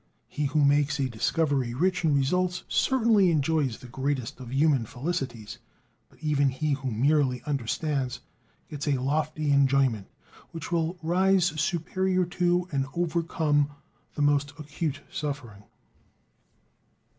He who makes a discovery rich in results certainly enjoys the greatest of human felicities; but even he who merely "understands" gets a lofty enjoyment which will rise superior to and overcome the most acute suffering.